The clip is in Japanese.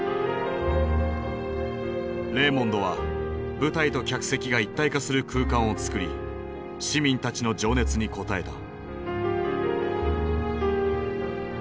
レーモンドは舞台と客席が一体化する空間をつくり市民たちの情熱に応えた。